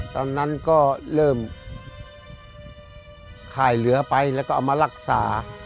ตอนนั้นก็เริ่มขายเหลือไปแล้วก็เอามารักษา